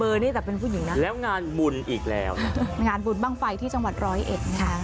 นี่แต่เป็นผู้หญิงนะแล้วงานบุญอีกแล้วงานบุญบ้างไฟที่จังหวัดร้อยเอ็ดนะคะ